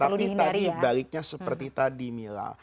tapi tadi baliknya seperti tadi mila